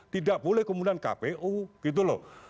tidak boleh kemudian kpu gitu loh